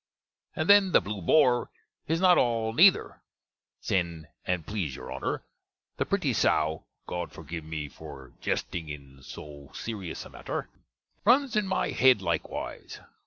And then the Blew Bore is not all neither: sen', and please your Honner, the pretty Sowe (God forgive me for gesting in so serus a matter) runs in my hedd likewise.